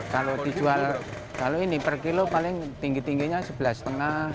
kalau ini per kilo paling tinggi tingginya rp sebelas lima ratus